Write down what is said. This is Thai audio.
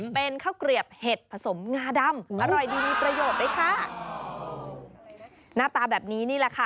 เป็นข้าวเกลียบเห็ดผสมงาดำอร่อยดีมีประโยชน์ด้วยค่ะหน้าตาแบบนี้นี่แหละค่ะ